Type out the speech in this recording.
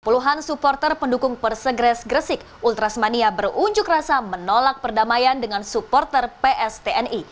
puluhan supporter pendukung persegres gresik ultrasmania berunjuk rasa menolak perdamaian dengan supporter pstni